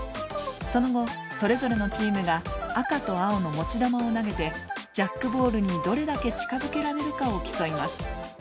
その後それぞれのチームが赤と青の持ち球を投げてジャックボールにどれだけ近づけられるかをきそいます。